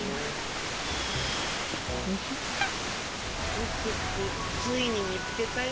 フフフついに見つけたよ。